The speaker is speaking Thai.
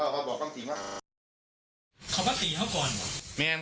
ปกติอันต์